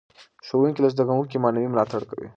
ښوونکي له زده کوونکو معنوي ملاتړ کوي.